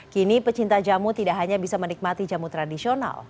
kini pecinta jamu tidak hanya bisa menikmati jamu tradisional